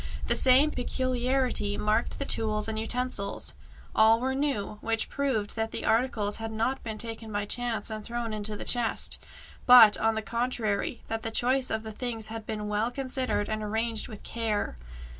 The same peculiarity marked the tools and utensils; all were new, which proved that the articles had not been taken by chance and thrown into the chest, but, on the contrary, that the choice of the things had been well considered and arranged with care.